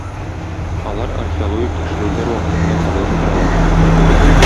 Алар археологик тикшерүләр вакытында табылып торалар.